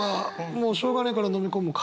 もうしょうがないからのみ込むか。